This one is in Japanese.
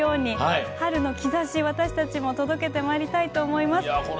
「春の兆し」、私たちも届けてまいりたいと思います。